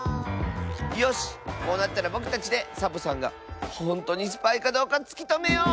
よしこうなったらぼくたちでサボさんがほんとうにスパイかどうかつきとめよう！